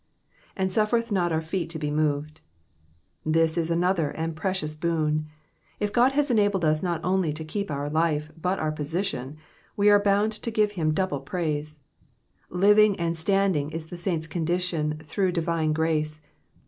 *^And suffereth not our feet to he moved,'*'' This is another and precious boon. If God has enabled us not only to keep our life, but our position, we are bound to ^vc him double praise. Living and standing is the saint's condition through divine grace.